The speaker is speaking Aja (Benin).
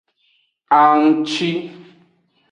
Anngci.